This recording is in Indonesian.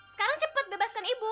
sekarang cepat bebaskan ibu